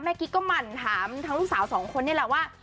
กิ๊กก็หมั่นถามทั้งลูกสาวสองคนนี่แหละว่า